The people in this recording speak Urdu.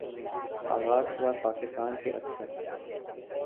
آغاز کے بعد پاکستان کے اکثر